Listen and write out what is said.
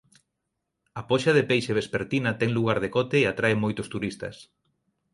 A poxa de peixe vespertina ten lugar decote e atrae moitos turistas.